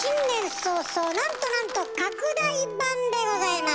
早々なんとなんと拡大版でございます。